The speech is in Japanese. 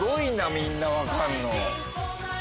みんな分かるの。